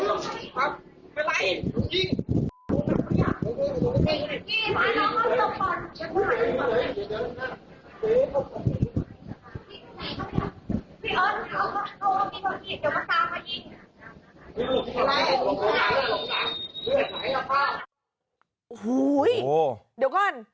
โอ้โหเดี๋ยวก่อน